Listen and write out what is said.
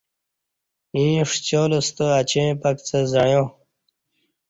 ییں ݜیال ستہ اچیں پکڅہ زعݩیا